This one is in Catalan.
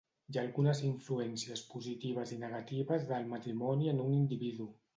Hi ha algunes influències positives i negatives del matrimoni en un individu.